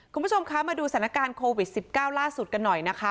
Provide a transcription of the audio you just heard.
คุณผู้ชมคะมาดูสถานการณ์โควิด๑๙ล่าสุดกันหน่อยนะคะ